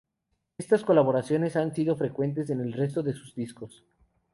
Estas colaboraciones han sido frecuentes en el resto de sus discos.